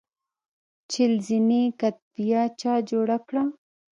چهل زینې کتیبه چا جوړه کړه؟